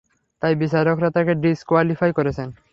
তাই বিচারকরা তাকে ডিস-কোয়ালিফাই করেছেন।